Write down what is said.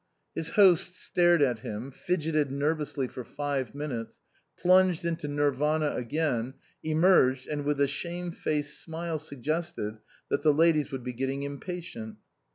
His host stared at him, fidgetted nervously for five minutes, plunged into nirvana again, emerged, and with a shame faced smile suggested that the ladies would be getting impatient.